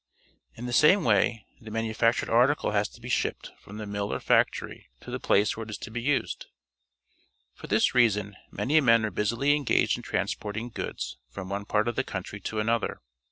In the same way, the manufactured article has to be shipped from the mill or factory to the place where it is to be used. For this reason many men are busily engaged in transporting goods from one part of the country to another.